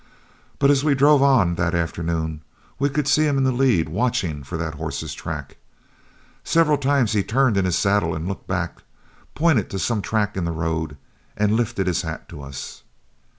But as we drove on that afternoon, we could see him in the lead, watching for that horse's track. Several times he turned in his saddle and looked back, pointed to some track in the road, and lifted his hat to us.